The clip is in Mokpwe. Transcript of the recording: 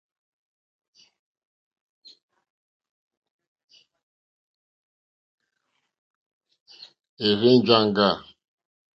È rzênjāŋɡâ.